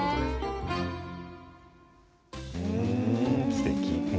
すてき。